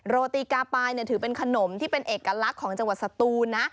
โรตีกาปายถือเป็นขนมที่เป็นเอกลักษณ์ของจังหวัดสตูนนะ